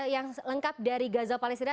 yang lengkap dari gaza palestina